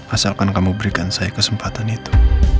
asalkan kamu berikan saya kesempatan itu